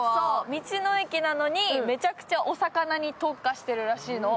道の駅なのにめちゃくちゃお魚に特化してるのを。